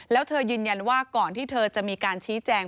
แล้วเธอยืนยันว่าก่อนที่เธอจะมีการชี้แจง